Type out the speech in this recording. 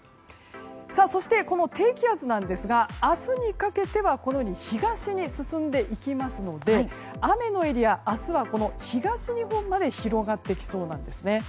そして、この低気圧ですが明日にかけては東に進んでいきますので雨のエリアが明日は東日本まで広がってきそうなんですね。